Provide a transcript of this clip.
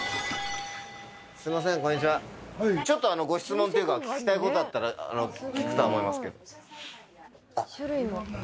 ちょっとご質問というか聞きたいことあったら聞くとは思いますけど。